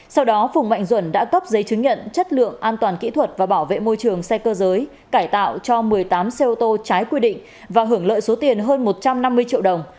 sau đó phùng mạnh duẩn đã cấp giấy chứng nhận chất lượng an toàn kỹ thuật và bảo vệ môi trường xe cơ giới cải tạo cho một mươi tám xe ô tô trái quy định và hưởng lợi số tiền hơn một trăm năm mươi triệu đồng